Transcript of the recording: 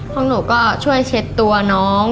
พวกหนูก็ช่วยเช็ดตัวน้อง